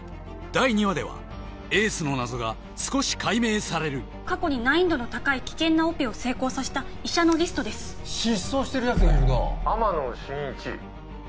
第２話ではエースの謎が少し解明される過去に難易度の高い危険なオペを成功させた医者のリストです失踪してるやつがいるな天野真一